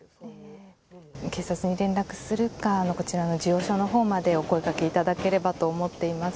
警察に連絡するか、こちらの授与所のほうまでお声がけいただければと思っております。